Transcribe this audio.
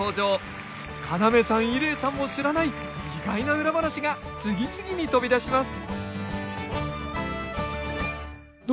要さん伊礼さんも知らない意外な裏話が次々に飛び出します！